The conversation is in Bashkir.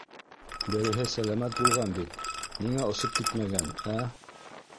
— Береһе сәләмәт булған бит, ниңә осоп китмәгән, ә?